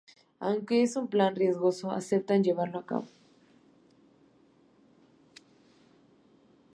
Aunque es un plan riesgoso, aceptan llevarlo a cabo.